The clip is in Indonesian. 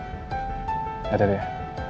gak ada ya